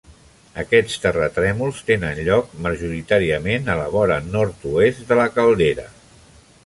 Aquests terratrèmols tenen lloc majoritàriament a la vora nord-oest de la caldera.